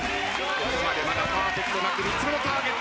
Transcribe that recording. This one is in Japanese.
ここまでまだパーフェクトなく３つ目のターゲット。